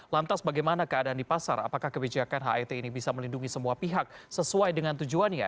lantas bagaimana keadaan di pasar apakah kebijakan het ini bisa melindungi semua pihak sesuai dengan tujuannya